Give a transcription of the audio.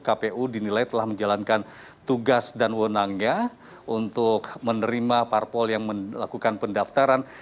kpu dinilai telah menjalankan tugas dan wonangnya untuk menerima parpol yang melakukan pendaftaran